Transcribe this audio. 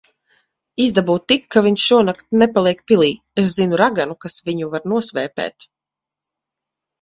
Izdabū tik, ka viņš šonakt nepaliek pilī. Es zinu raganu, kas viņu var nosvēpēt.